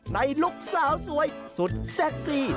ลูกสาวสวยสุดเซ็กซี่